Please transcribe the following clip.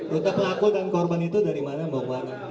rute pelaku dan korban itu dari mana mau ke mana